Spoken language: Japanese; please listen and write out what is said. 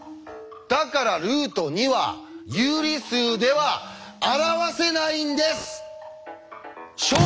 だからルート２は有理数では表せないんです！